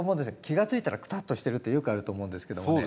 気が付いたらクタッとしてるってよくあると思うんですけどもね。